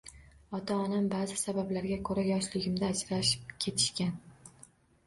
Ota-onam ba'zi sabablarga ko‘ra yoshligimda ajrashib ketishgan